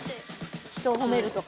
人を褒めるとか？